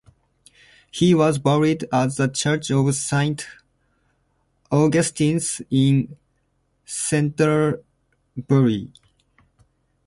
He was buried at the Church of Saint Augustine's in Canterbury.